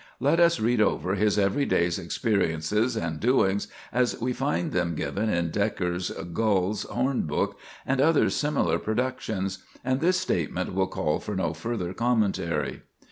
Let us read over his every day's experiences and doings as we find them given in Dekker's "Gull's Horn Book" and other similar productions, and this statement will call for no further commentary.